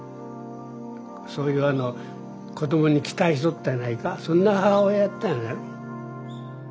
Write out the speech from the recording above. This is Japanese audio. そういうの子供に期待しとったんやないかそんな母親やったんやろ。